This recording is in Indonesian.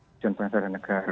tujuan bangsa dan negara